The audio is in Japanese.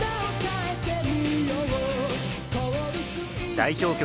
代表曲